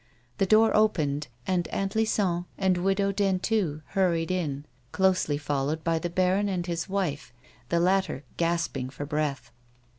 The door opened, and Aunt Lison and the Widow Dentu hurried in, closely followed by the baron and his wife, the latter gasping for breath.